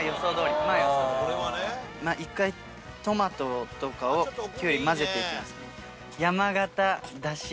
一回トマトとかきゅうり混ぜていきますね。